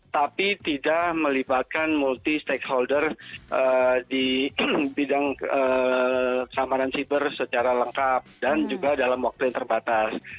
tapi tidak melibatkan multi stakeholder di bidang keamanan siber secara lengkap dan juga dalam waktu yang terbatas